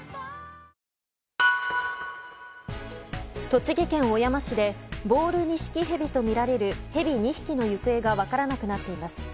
栃木県小山市でボールニシキヘビとみられるヘビ２匹の行方が分からなくなっています。